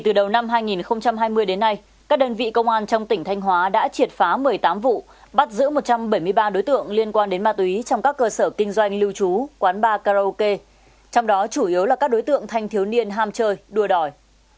từ đầu năm hai nghìn hai mươi đến nay các đơn vị công an trong tỉnh thanh hóa đã triệt phá một mươi tám vụ bắt giữ một trăm bảy mươi ba đối tượng liên quan đến ma túy trong các cơ sở kinh doanh lưu trú quán bar karaoke trong đó chủ yếu là các đối tượng thanh thiếu niên ham chơi đua đòi